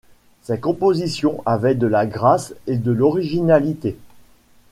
Ses compositions avaient de la grâce et de l’originalité.